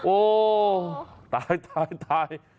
โอ้โหตายตายตาย